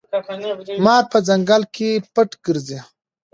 مار په ځنګل کې پټ ګرځي.